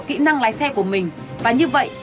kỹ năng lái xe của mình và như vậy